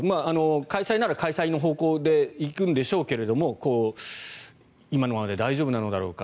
開催なら開催の方向で行くんでしょうけれども今のままで大丈夫なのだろうか。